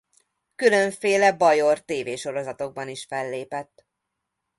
Különféle bajor tv-sorozatokban is fellépett.